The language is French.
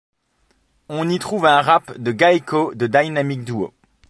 On y trouve un rap de Gaeko de Dynamic Duo.